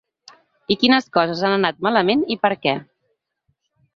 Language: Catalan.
I quines coses han anat malament i per què.